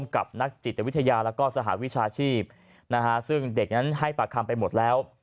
กับนักจิตวิทยาแล้วก็สหวิชาชีพซึ่งเด็กนั้นให้ปากคำไปหมดแล้ว